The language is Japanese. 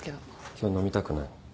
今日飲みたくない。